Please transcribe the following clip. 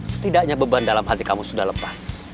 setidaknya beban dalam hati kamu sudah lepas